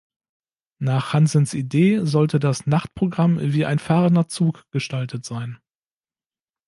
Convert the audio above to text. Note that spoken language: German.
Nach Hansens Idee sollte das Nachtprogramm wie ein fahrender Zug gestaltet sein.